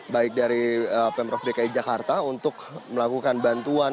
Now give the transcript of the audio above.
baik dari pemprov dki jakarta untuk melakukan bantuan